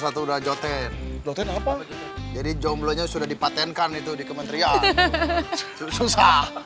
satu udah joten joten apa jadi jomblo nya sudah dipatenkan itu di kementerian susah